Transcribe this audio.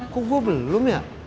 kok gue belum ya